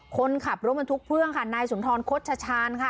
คนขับรถบรรทุกพ่วงค่ะนายสุนทรคดชชาญค่ะ